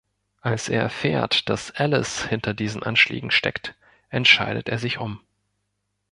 Als er erfährt, dass "Alice" hinter diesen Anschlägen steckt, entscheidet er sich um.